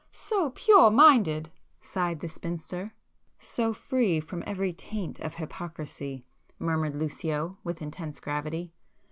"So pure minded!" sighed the spinster. "So free from every taint of hypocrisy!" murmured Lucio with intense gravity.